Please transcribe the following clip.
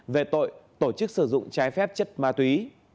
về tội tổ chức sử dụng trái phép chất ma túy